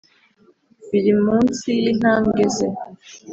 biri munsi yintambwe, ze